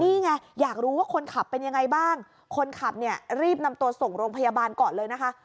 นี่ไงอยากรู้ว่าคนขับเป็นยังไงบ้างคนขับเนี่ยรีบนำตัวส่งโรงพยาบาลก่อนเลยนะคะ